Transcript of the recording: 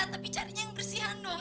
tapi carinya yang bersihan dong